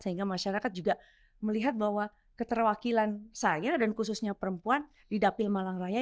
sehingga masyarakat juga melihat bahwa keterwakilan saya dan khususnya perempuan di dapil malang raya